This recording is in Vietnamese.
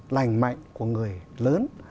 lành mạnh của người lớn